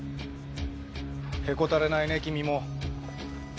へこたれないね君も。